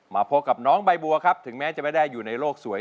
มาพบกับน้องใบบัวครับถึงแม้จะไม่ได้อยู่ในโลกสวย